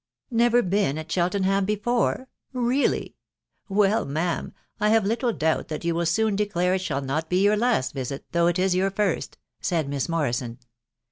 " Never been at Cheltenham before ?••.• really I .... Well, ma'am, I have little doubt that you will soon declare it shall not be your last visit, though it is your first," said Miss Morrison.